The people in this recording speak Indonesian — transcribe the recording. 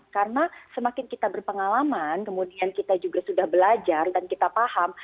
karena semakin kita berpengalaman kemudian kita juga sudah belajar dan kita paham